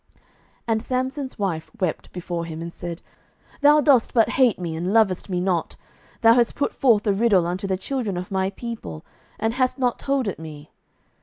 07:014:016 And Samson's wife wept before him, and said, Thou dost but hate me, and lovest me not: thou hast put forth a riddle unto the children of my people, and hast not told it me.